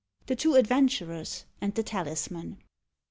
THE TWO ADVENTURERS AND THE TALISMAN.